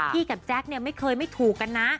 พี่กับแจ๊กไม่เคยไม่ถูกกันนะ